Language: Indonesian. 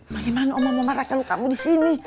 kamu mau marah kalau kamu di sini